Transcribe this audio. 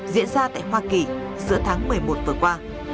diễn ra tại hoa kỳ giữa tháng một mươi một vừa qua